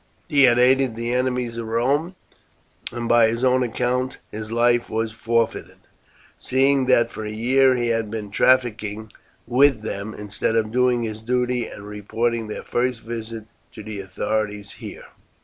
He had aided the enemies of Rome, and by his own account his life was forfeited, seeing that for a year he had been trafficking with them, instead of doing his duty and reporting their first visit to the authorities here.